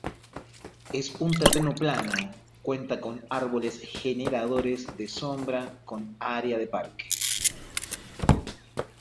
Es un terreno plano cuenta con árboles generadores de sombra con área de parque.